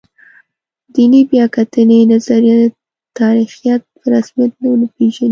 دیني بیا کتنې نظریه تاریخیت په رسمیت ونه پېژني.